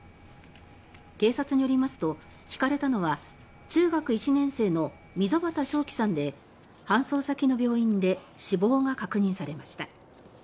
警察によりますとひかれたのは中学１年生の溝端星輝さんで搬送先の病院で死亡が確認されました。